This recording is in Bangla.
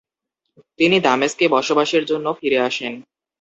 তিনি দামেস্কে বসবাসের জন্য ফিরে আসেন।